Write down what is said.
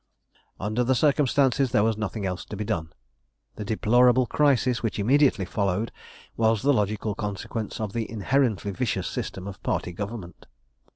Under the circumstances, there was nothing else to be done. The deplorable crisis which immediately followed was the logical consequence of the inherently vicious system of party government.